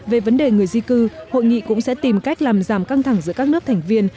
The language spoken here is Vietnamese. về vấn đề người di cư hội nghị cũng sẽ tìm cách làm giảm căng thẳng giữa các nước thành viên